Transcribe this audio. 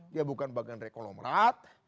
dia bukan bagian dari kolomrat